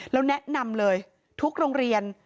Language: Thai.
แล้วแนะนำเลยทุกโรงเรียน